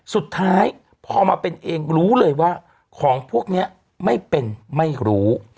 สุดท้ายพอมาเป็นเองรู้เลยว่าของพวกนี้ไม่เป็นไม่รู้